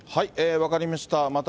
分かりました。